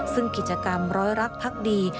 ซึ่งกิจกรรมร้อยรักพักดี